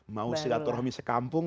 mau silaturahmi sekampung